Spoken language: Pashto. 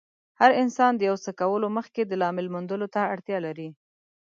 هر انسان د يو څه کولو مخکې د لامل موندلو ته اړتیا لري.